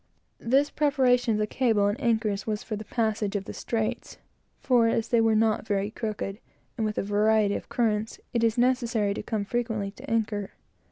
This preparation of the cable and anchors was for the passage of the straits; for, being very crooked, and with a variety of currents, it is necessary to come frequently to anchor.